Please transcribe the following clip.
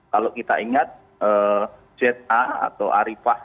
kalau kita ingat za atau arifah